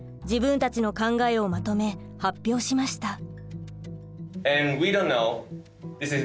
自分たちの考えをまとめ発表しました。